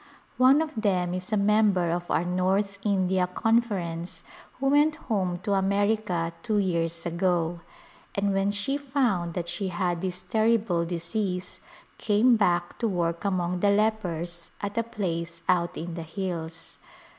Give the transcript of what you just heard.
One of them is a member of our North India Conference who went home to America two years ago, and when she found that she had this ter rible disease came back to work among the lepers at a place out in the hills.